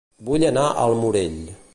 Vull anar a El Morell